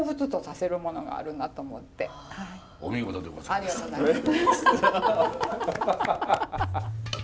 ありがとうございます。